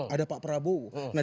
ada pak prabowo